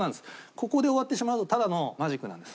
ここで終わってしまうとただのマジックなんです。